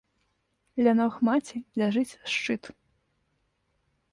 Ля ног маці ляжыць шчыт.